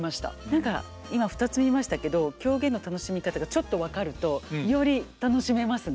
何か今２つ見ましたけど狂言の楽しみ方がちょっと分かるとより楽しめますね。